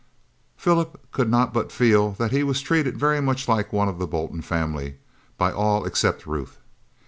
Philip could not but feel that he was treated very much like one of the Bolton family by all except Ruth.